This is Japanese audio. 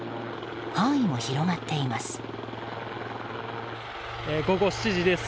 範囲も広がっています。